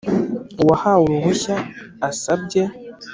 Uwahawe uruhushya asabye